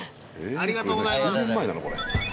ありがとうございます。